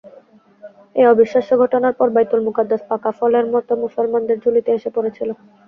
এ অবিশ্বাস্য ঘটনার পর বাইতুল মুকাদ্দাস পাকা ফলের মত মুসলমানদের ঝুলিতে এসে পড়েছিল।